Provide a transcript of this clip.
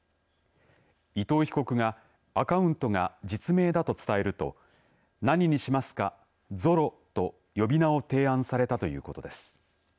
伊藤被告がアカウントが実名だと伝えると何にしますか、ゾロと呼び名を提案されたということです。